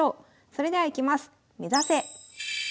それではいきます。